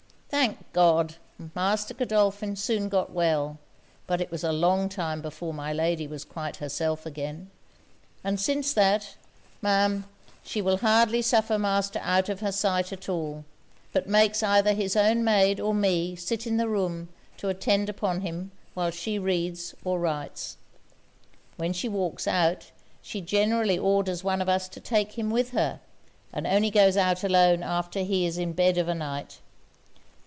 Thank God, Master Godolphin soon got well; but it was a long time before my lady was quite herself again; and since that, Ma'am, she will hardly suffer Master out of her sight at all; but makes either his own maid or me sit in the room to attend upon him while she reads or writes. When she walks out, she generally orders one of us to take him with her; and only goes out alone after he is in bed of a night.